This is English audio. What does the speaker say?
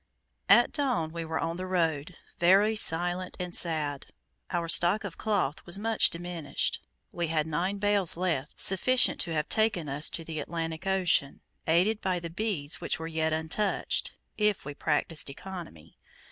At dawn we were on the road, very silent and sad. Our stock of cloth was much diminished; we had nine bales left, sufficient to have taken us to the Atlantic Ocean aided by the beads, which were yet untouched if we practised economy.